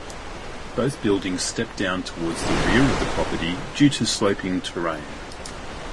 Both buildings step down towards the rear of the property due to sloping terrain.